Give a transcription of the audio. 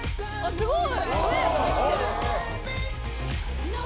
「すごい！」